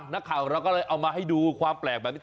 นักข่าวของเราก็เลยเอามาให้ดูความแปลกแบบนี้